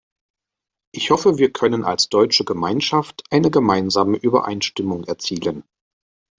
Ich hoffe, wir können als deutsche Gemeinschaft eine gemeinsame Übereinstimmung erzielen.